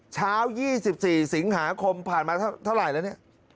เช้า๒๔สิงหาคมผ่านมาเท่าไหร่แล้วเนี่ย